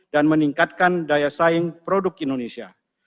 dan meningkatkan daya saing produk indonesia